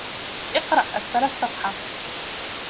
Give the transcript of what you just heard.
إقرأ أسفل الصفحة.